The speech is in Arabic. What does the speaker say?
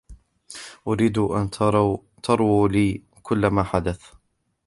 أريد أن ترووا لي كلّ ما حدث.